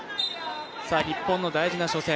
日本の大事な初戦。